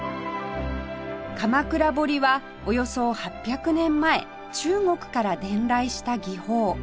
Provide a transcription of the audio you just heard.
鎌倉彫はおよそ８００年前中国から伝来した技法